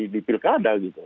di pilkada gitu